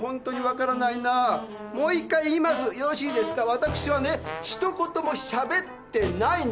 私はねひと言もしゃべってないんです。